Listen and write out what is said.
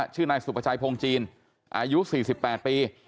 ชื่อนายสุภาชัยพงจีนอายุ๔๘ปี